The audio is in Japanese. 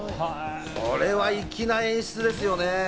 これは粋な演出ですよね。